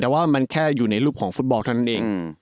แต่ว่ามันแค่อยู่ในรูปของฟุตบอลเท่านั้นเอง